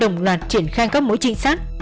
đồng loạt triển khai các mối trịnh sát